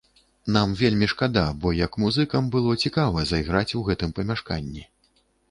Нам вельмі шкада, бо як музыкам было цікава зайграць у гэтым памяшканні.